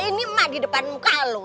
ini mak di depan muka lo